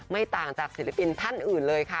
ไม่ต่างจากศิลปินท่านอื่นเลยค่ะ